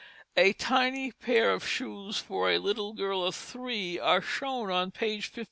A tiny pair of shoes for a little girl of three are shown on page 51.